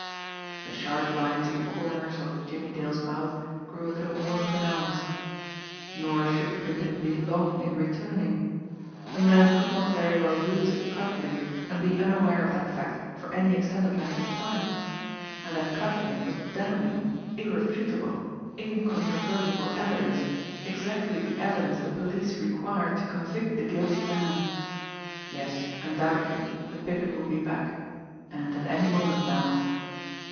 The sharp lines at the corners of Jimmie Dale's mouth grew a little more pronounced. Nor should the Pippin be long in returning! A man could not very well lose a cuff link and be unaware of that fact for any extended length of time. And that cuff link was damning, irrefutable, incontrovertible evidence, exactly the evidence the police required to convict the guilty man! Yes, undoubtedly, the Pippin would be back and at any moment now.